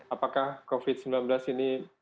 apakah covid sembilan belas ini